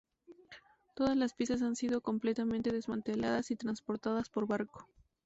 Todas las piezas han sido completamente desmanteladas y transportadas por barco.